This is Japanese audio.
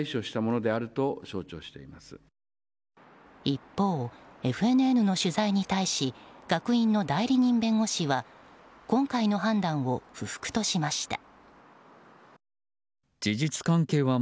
一方、ＦＮＮの取材に対し学院の代理人弁護士は今回の判断を不服としました。